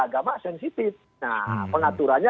agama sensitif nah pengaturannya